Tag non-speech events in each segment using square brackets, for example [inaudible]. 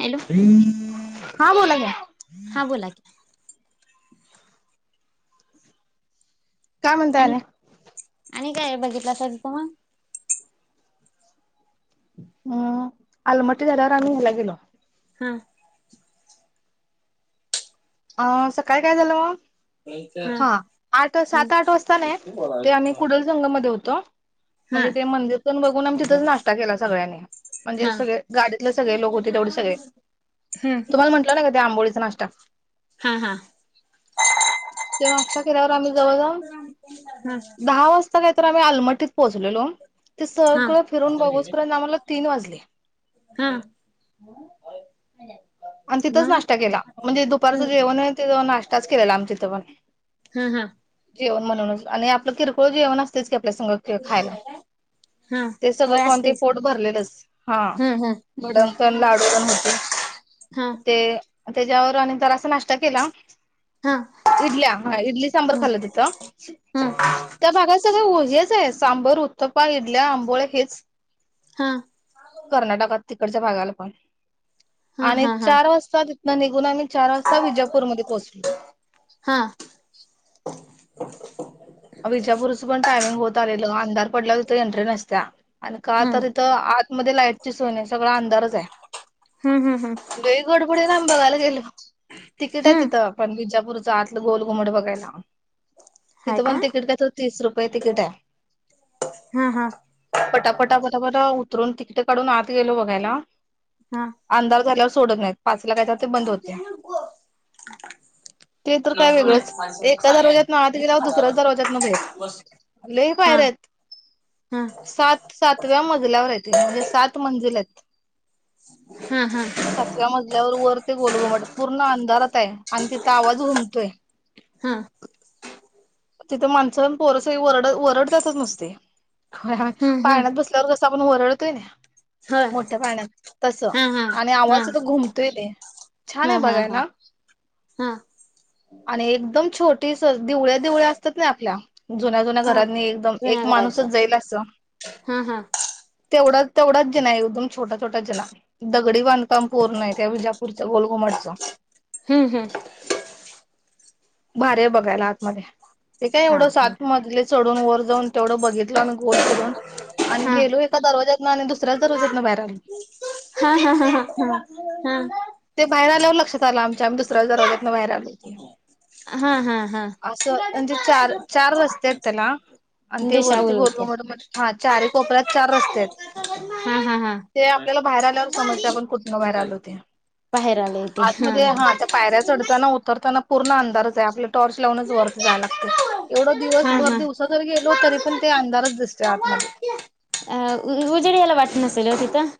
Hello हा बोला घ्या. हा बोला! काय म्हणता याला. आणि आणि काय बघितलं स तु मंग. [inaudible] हूं आलमट्टी झाल्यावर आम्ही ह्याला गेलो. [inaudible] आ सकाळी काय झालं म. हा आठ सात आठ वाजता ना, ते आम्ही कुडल संघ मध्ये होतो. हा म्हणजे ते मंदिर पंन बघून आम्ही तिथंच नाष्टा केला सगळ्यांनी. म्हणजे हा हा सगळे गाडीतले सगळे लोक होते तेवढे सगळे. हूं! तुमाला म्हटलं नाही का, त्या आंबोळी चा नाष्टा. हा हा! ते नाष्टा केल्यावर आम्ही जवळ जाऊनं. हा दहा वाजता काहीतर आम्ही आलमठीत पोहोचलेलो. ते सगळं फिरून बघूस पर्यंत आम्हाला तीन वाजले. हा! आण तिथंच मग नाष्टा केला म्हणजे दुपारचं जेवण अन ते नाष्टा च केलेला आमी तिथं पण हं हा! जेवण म्हणूनच आणि आपलं किरकोळ जेवण असतेच की आपल्या संग के खायला. हा ते सगळं होय खाऊन ते असतयच की पोट भरलेलंच, हा हम्म हम्म भडंग तन लाडूतन होते. हा! ते त्याच्यावरं आमी तर असा नाष्टा केला. हा! इडल्या, हा इडली सांबर हा खाल्ल तीथं. हा त्या भागात सगळं ऊ हेच आहे, सांबर, उत्त्तपा इडल्या, आंबोळ्या हेच. [inaudible] कर्नाटकात तिकडच्या भागाला पण हा आणि हा हा चार वाजता तिथन निघून आम्ही चार वाजता विजापूरमध्ये पोहचलो. हा! [inaudible] विजापूरचं पण टायमिंग होत आलेलं अंधार पडल्यावर तीथे एंट्री नसत्या आणि का हम्म तरी त आतमध्ये लाईटची सोय नाहीं सगळं अंधारच आहे. हम्म हम्म हम्म लई गडबडीत आम्ही बघायला गेलो, तिकीट आहे हम्म तिथं. पण विजापूरच, आतलं गोलघुमट बघायला. हाय का! त्याच तीस रुपये तिकिट हाय. हा हा पटा पटा पट पटा उतरून तिकटं काढून आत गेलो बघायला हा हा आंधार झाल्यावर सोडत नाहीत, पाचला काय तर ते बंद होत्यां. ते तर हा काय हा वेगळंच, एका हा दरवाजातन आत गेल्यावर दुसऱ्याच दरवाजातन बहेर लयी हा पायऱ्या हेत. सात सातव्या मजल्यावर आहे ते म्हणजे सात मंजिल आहेत. हा हा! सातव्या मजल्यावर वर ते गोलघुमट, पूर्ण अंधारात आहे आण तिथ आवाज घुमतोय. तिथं माणसन पोर सगळी वरड वरडत्यातचा नुसती होय होय हम्म हम्म पाळण्यात बस ''--'' तर कस आपण वरडतोय नाय. होय मोठ्या पाळण्यात तस हा हा आणि हा आवाज तिथं घुमतोय लय. छान हा हाय हा हा बघायला. हा, आणि एकदम छोटी स दिवळ्या दिवळ्या असता नाय आपल्या. जुन्या जुन्या हा घरांतनी एकदम जुन्या एक घराच्या माणूसच जाईल असं. हा हा, तेवढाच तेवढाच जिना एकदम छोटा छोटा जिना. दगडी बांधकाम पूर्ण आहे त्या विजापूरच गोलघुमटचं. हम्म हम्म, भारी हाय बघायला आतमध्ये. ते काय हा एवढं हा सात मजले चढून वर जाऊन तेवढं बघितलो अन गोल फिरून आणि हा गेलोय ही ''--'' एका दरवाजातन आणि दुसऱ्यांच दरजातन बाहेर आलो. हा हा हा हा हा हा, तर लांबच्या दुसऱ्या दरवाज्यातन बाहेर आलोय हा हा हा हा असं हाय. ते चार चार रस्ते आहेत त्याला. आणि ते दिशा वरती बोलवत्या गोलघुमट म्हणजे हा चारी कोपऱ्यात चार रस्ते हायत. हा हा हा ते आपल्याला बाहेर आल्यावर समजते आपण कुठनं बाहेर आलोय ते. बाहेर आलेय ते हा, आतमध्ये त्या पायऱ्या चढताना उतरताना पूर्ण अंदारच हाय आपलं टॉर्च लावूनच वर. जाय लागते एवढं दिवस हा भर हा दिवसा जरी गेलो तरी पण ते अंधारच दिसतोय आतमध्ये. अ उ उजेड याला वाट नसेल ओ तिथं.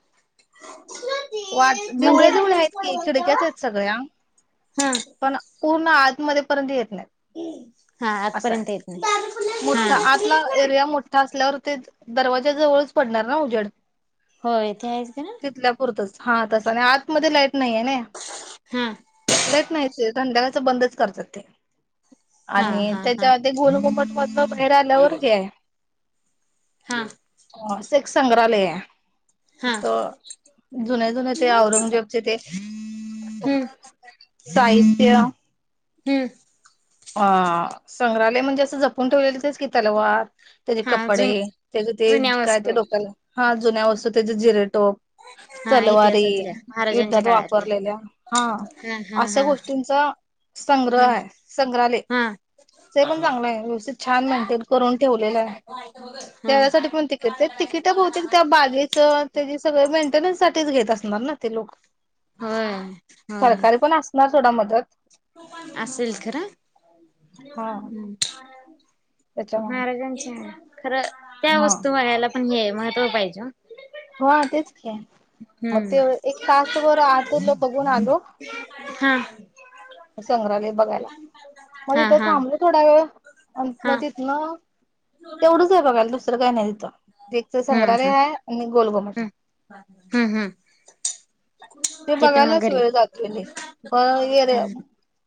वाट दिवळ्या मंदिर दिवळ्या आहेत की खिडक्यात आहेत सगळ्या. हा, पण पूर्ण आत मध्ये पर्यंत येत नाही. हा आजपर्यंत येत नाही हा, मोठा आतला एरिया मोठा असल्यावर ते दरवाजा जवळच पडणार ना उजेड. हो ते आहेस खरं. आपल्या पुरताच हा तसं आत मध्ये लाईट नाही नाय. हा, लाईट नाही संध्याकाळचे बंदच करतात ते हा आणि हा हा त्याच्या आत एक. गोलगमट मदन बाहेर आल्यावर हे आहे. हा, अ सेख संग्रहालय आहे हा त. जुने जुने ते औरंगजेबचे ते हम्म साहित्य. हम्म, अ संग्रहालय म्हणजे असं जपून ठेवलेलं तेच की, तलवार. त्याचे हा जुन कपडे त्याचे ते जुन्या काय वस्तू ते लोकल हा जुन्या वस्तू त्याचे जिरेटोप. हा तलवारी इतिहासातल्या महाराजांच्या युद्धात काळातल्या वापरलेल्या हा हा हा अशा हा गोष्टींचा. संग्रह हा आहे. संग्रहालय हा ते पण चांगलं आहे व्यवस्थित छान मेंटेन करून ठेवलेलं आहे. हा त्यावसाठी कोणती. ते तिकिट बहुतेक त्या बागेचं त्याची सगळं मेंटेनन्स साठीच घेत असणार ना ते लोक. होय सरकारी पण असणार सोडा मदत. असंशल खरां हा हम्मं. त्याच्यामुळे महाराजांच्या खरं त्यां हा वस्तूं वघांयला पणं हे महत्त्व पाहिजे. हां तेचं खे मंग ते हम्म एक तासंभर आंत लो बघूंन आलों. हां. संग्रहालय बघांयला मंग हा तिथं हा थांबलं थोडां वेळं आणि हा मंग तिथं नां. तेवढंच आहे बघांयला दुसरं कायं नाहीं तिथं एकचं संग्रहालय आहे आणि गोलगोम. हम्मं हम्मं हम्मं. ते बघांयलाच वेळं जातो रे. हा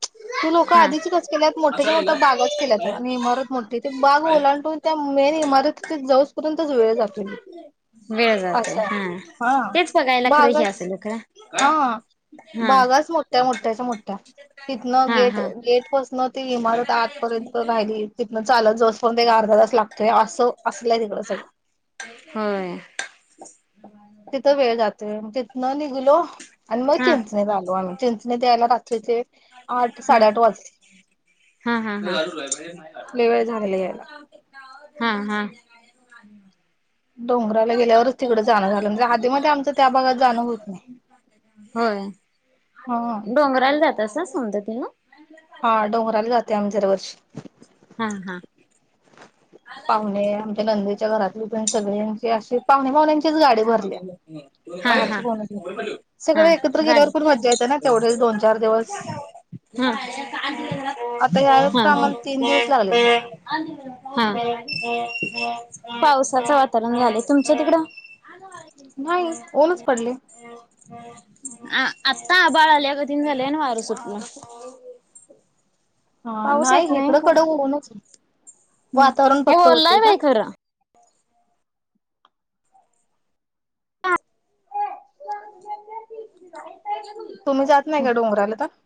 ती लोकं हा आधीचीच केल्यांत मोठ्यांच्या मोठ्यां बागंच केल्यांत आणि इमारतं मोठी ते बांग ओलांडून. त्यां मेन इमारतीत जाऊंजपर्यंतच वेळं जातलेली. वेळं जाते हां तेचं बघांयला खरं हे असेल खरं. हा भागाचं मोठ्या मोठ्यांच्या मोठ्यां तिथनं हा हा गेटं गेटपसनं ती इमारतं आंतपर्यंत राहिली तिथनं चालतं असतं. पणं एक एक अर्धा तासंं लागतोय असं असलंय तिकडं सगळं. हो. तिथं वेळं जातोय तिथं नं निघलो. आणि मंग हा हा चिंचणीत आलो आम्हीं चिंचणीत यांतला रात्रीचे आंठ साडेआठ वाजले. हां हां हं लय वेळ झालेला यायला. हां हां. हं. डोंगरांला गेल्यांवरचं तिकडे जाणं झालं म्हणजे आदींमध्ये आमचं त्यां भागांत जाणं होतं नाहीं. होयं हा डोंगरांला जातां सौंदत्तीला. हां डोंगरांला जाते आम्हीं दरवर्षी. हां हां. पाहुणे आमच्यां लंदेच्या घरांतले पणं सगळ्यांची अशी पाहुणे पाहुण्यांचीच गांडी. रल्यां हा बाहेरचं हा कोणचं नाहीं सगळं हा एकत्रं गाडी गेल्यांवरण मजां यायचं नां तेवढे दोन चार दिवसं. हं. हां आता यावेळेस तर हां. आम्हाला तीन दिवस लागलेले हं पावसाचं वातांवरण झालंय तुमचं तिकडं. नाहीं ऊंनच पडले. अं- आंत्ता आबाळं आल्यां गधीन झालंय नां वारं सुटलं. [unintelligible] हां पाऊस येत नाहीं नाही इकडं कडे खरं होऊंनच की, वातांवरण हे फक्तं होते ओलय कां? बाई खरं तुम्ही जात नाही का डोंगराला तर? आं-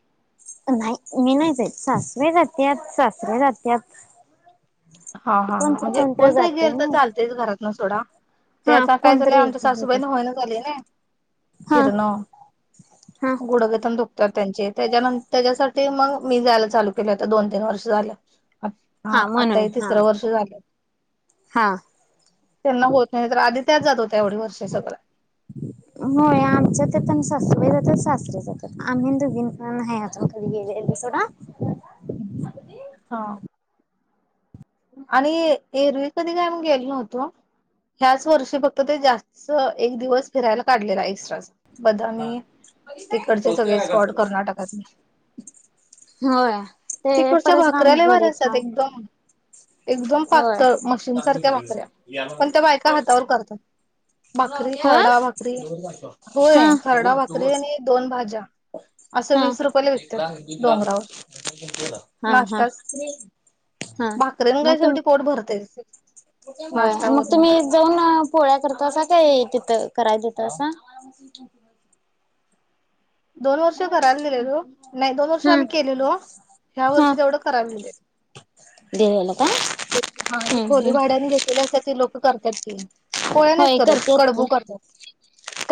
नाहीं मी नाहीं जाईत. सासूबाईरे जात्यांत सासरे जात्यांत हां हां हां. म्हणजे कोणतरी जातय गेलं तरं नाही चालतेच घरांत न सोडां. त्यां हा आंता कायं झालंय कोणतरी आमच्या एक होता सासूबाईना होईना झालंयनी हा फिरणं. हा गुंडग तेन दु त्यां-त्यांचे त्यांच्यासाठी मंग मी जायंला चालूं केले आतां दोन तीन वर्ष झालं हां, हा आंता म्हणून हे हा तिसरं वर्ष झालंय हा त्यांना होतं नाहीं तरं आंधी त्याचं जातं होत्यां एवढी वर्ष सगळं होयं आमच्या त्यां सासूंबाई जातांत सासरे जातांत. आम्हीं दुघी नं पणं नाहीं अजूंन कधीं गेलेली सोडां हां. आणि एरवी कधीं कायं आम्हीं गेलो नव्हतो. ह्यांचं वर्षी फक्तं ते जास्तं एक दिवसं फिरांयला काढलेला एक्स्ट्रांचा. बदामी, तिकडचे सगळे स्पॉट कर्नाटकातले. होय ते तिकडच्या भाकऱ्या परशुराम लय गड भारी एक असत्यात, हाय एकदम एकदम होय पतळ मशीन सारख्या भाकऱ्या, पण त्या बायका हातावर करतात. भाकरी हो, खरडा भाकरी होय हा. खरडा भाकरी आणि दोन भाज्या असं हा. वीस रुपयाला एक विकतात लाख दीड डोंगरावर लाख--हा हा. हा भाकरीेन मग काय तुम शेवटी पोट भरतयच. होय, मग तुम्ही जाऊन पोळ्या करतासा काय तिथं कराय देतासा? ह. दोन वर्ष करायला दिेलेलो. नाही दोन वर्ष हम्म आम्ही केलेलो, ह्या हा वर्षी तेवढं करायला दिलेत. देवाला का ते हम्म खोली हम्म भाड्याने घे ली- असत्यात ती लोक करत्यात की. पोळ्या नाहीत होय करत, करत्यात की कडबू करत्यात.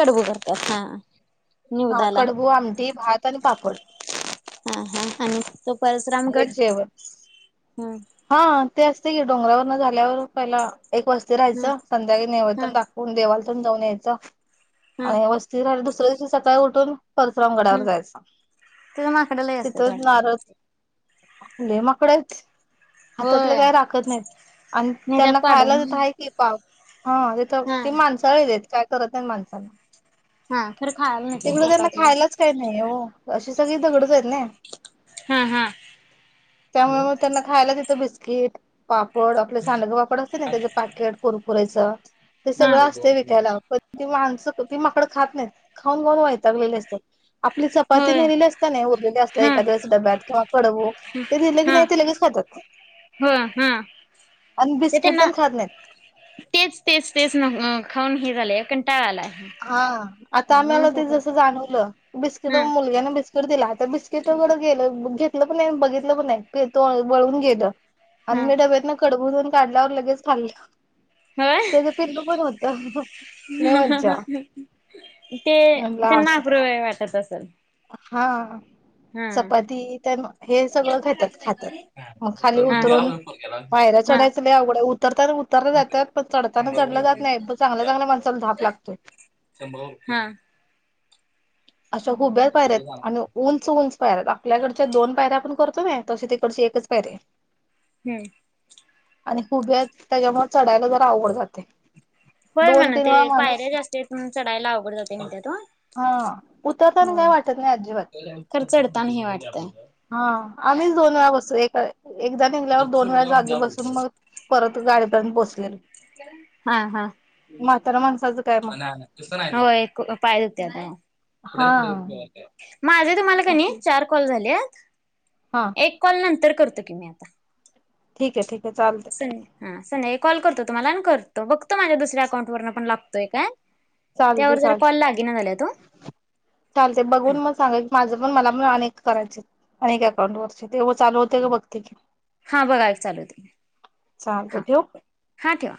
कडबू करत्यात हा. हा निवदाला कडबू आमटी भात आणि पापड. हा हा, आणि तो हे परशरामगड, जेवण हम्म हा ते असतय की, डोंगरावर न झाल्यावर पहिला एक वस्ती हम्म राहायचं, संध्याकाळी नैवद तेन हम्म दाख कून- देवालातेन जाऊन यायचं, हम्म आणि वस्थि राहीलेलं दुसऱ्या दिवशी सकाळी उठून परशुराम गडावर हम्म जायचं. तिथं माकडं लय असत्यात तिथंच वाटतं. नारळ लय माकडंयत हातातलं होय काय राखत नाहीत, आणि नेत्यात त्यांना खायला काढून तिथं हाय की पाव. हा. हा त-ते माणसाळलेलीत आयत, काय करत नाहीत माणसांना, हा खरं खायला नेत्यात तिकडं त्यांना हातातलं खायलाच काय नाही ओ, अशी सगळी दगडच आहेत नाई, हा हा त्यामुळ मग त्यांना खायला तीथं बिस्किट, पापड, आपल सांडग पापड असतय नी त्याचं पॅकेट कुरकुरेच, ते हा सगळं असतय विकायला प ती माणसं, ती माकडं खात नाहीत, खाऊन खाऊन वैतागलेली असत्यात. आपली चपाती होय नेलेली असत्या नाही, उरलेली असत्या हा एखाद्या वेळेस डब्यात, किंवा कडबु ते दिेलं की नाही ते लगेच खातात हम्म, हा. आणि ते बिस्किट त्यांना तेन खात नाहीत. तेच तेच तेच न खाऊन हे झालंय, कंटाळा आलाय. हा आता म्हणून आम्हाला ते काहीतरी जसं जाणवलं, बिस्किट हा मुलग्यान बिस्क दिला, तर बिस्किटाकड गेलं घेतलं पण नाही बघितलं पण नाही तो- वळून गेलं. आणि हा मी डब्यातन कडबू तेन काढल्यावर लगेच खाल्लं. होय त्याच पिल्लू पण होतं. लई मज्जा. ते, म्हणला त्यांना आप्रुबाई वाटत असल हा. चपाती तन हे सगळं घेत्यात खात्यात, मग खाली हा उतरून पायऱ्या हा चढायचं लय अवघड हाय, उतरताना उतरलं जात्यात, पण चढताना चढल्या जात नाहीत. चांगल्या चांगल्या माणसाला धाप लागतय. सेंभलव हां. असं हुब्या पायऱ्या हायत, आणि उंच उंच पायऱ्या हैत, आपल्याकडच्या दोन पायऱ्या आपण करतो नाय तशी तिकडची एकच पायरी हाय. हम्म. आणि हुब्यात त्याज्यामुळं चढायला जरा आवघड जातय. होय म्हणं ते पायऱ्या जास्ती हायत म्हणून चढायला अवघड जातय म्हणत्यात ओ. हा, उतरताना काय वाट खरं चढताना हे वाटतय. हां आम्हीच दोन वेळा बसू एका एकदा निघल्यावर दोन वेळा जागी बसून मग परत गाडीत आणि बसलेलो. हां हां. आणि माणसाचं काय मग [unintelligible] तस नाही होय पाय दुखत्यात हो पुढ हा पुढ माझं तुम्हांला कनई चार कॉल झाल्यात, हां. एक कॉल नंतर करतो की मी आता, ठीक हाय, ठीक हाय, चालत संन हां, संध्याकाळी कॉल करतो तुम्हांला आणि कर तर बगतो माझ्या दुसऱ्या अकाउंट वरनं पण लागतोय काय, चालते, त्यावर जरा चालते. कॉल लागेना झाल्यात ओ चालतंय बघून मग सांगा की, माझं पण मला पण आणि एक करायचे है, आणि काय अकाउंट वरचे ते ओ चालू होते का बघते की, हां बघा की चालू होतय का चालतं हां. ठेवू? हां. ठेवा.